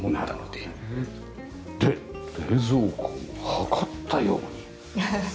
で冷蔵庫をはかったように。